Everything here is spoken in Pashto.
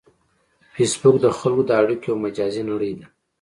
فېسبوک د خلکو د اړیکو یو مجازی نړۍ ده